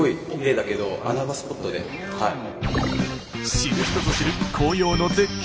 知る人ぞ知る紅葉の絶景